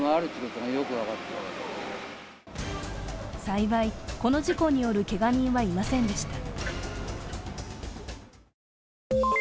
幸い、この事故によるけが人はいませんでした。